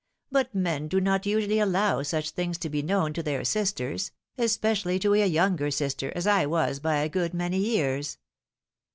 " But men do not usually allow such things to be known to their sisters, especially to a younger sister, as I was by a good many years.